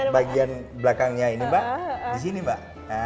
bagian belakangnya ini mbak disini mbak